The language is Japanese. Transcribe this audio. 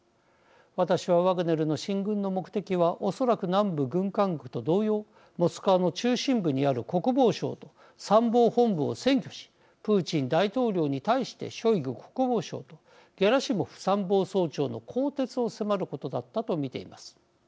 私はワグネルの進軍の目的はおそらく南部軍管区と同様モスクワの中心部にある国防省と参謀本部を占拠しプーチン大統領に対してショイグ国防相とゲラシモフ参謀総長の更迭を迫ることだったと見ています。